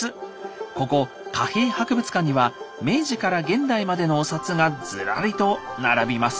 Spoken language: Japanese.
ここ貨幣博物館には明治から現代までのお札がずらりと並びます。